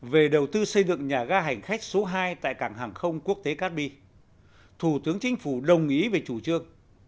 về đầu tư xây dựng nhà ga hành khách số hai tại cảng hàng không quốc tế cát bi thủ tướng chính phủ đồng ý về chủ trương